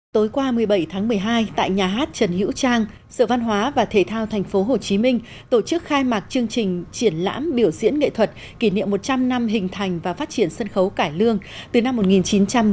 tối qua một mươi bảy tháng một mươi hai tại nhà hát trần hữu trang sự văn hóa và thể thao thành phố hồ chí minh tổ chức khai mạc chương trình triển lãm biểu diễn nghệ thuật kỷ niệm một trăm linh năm hình thành và phát triển sân khấu cải lương từ năm một nghìn chín trăm một mươi tám đến năm hai nghìn một mươi tám